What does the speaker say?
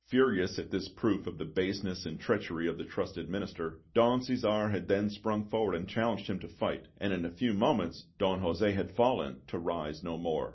Furious at this proof of the baseness and treachery of the trusted Minister, Don Cæsar had then sprung forward and challenged him to fight, and in a few moments Don José had fallen, to rise no more.